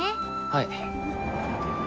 はい。